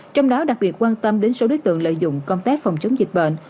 trong đó đặc biệt quan tâm đến số đối tượng lợi dụng công tác phòng chống dịch bệnh